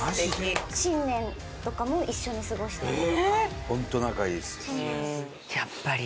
新年とかも一緒に過ごしてます。